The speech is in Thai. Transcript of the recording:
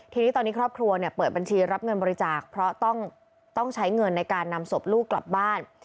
ทีนี้ตอนนี้ครอบครัวเปิดบัญชีรับเงินบริจาคเพราะต้องใช้เงินในการนำศพลูกกลับบ้าน